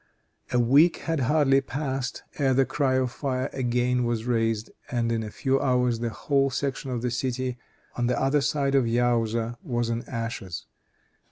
A week had hardly passed ere the cry of fire again was raised, and, in a few hours, the whole section of the city on the other side of the Yaouza was in ashes.